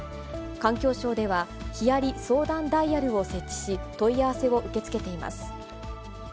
環境省では、ヒアリ相談ダイヤルを設置し、問い合わせを受け付けています。